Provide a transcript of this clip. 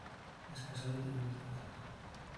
Es casado y tiene cuatro hijas.